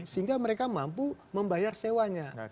sehingga mereka mampu membayar sewanya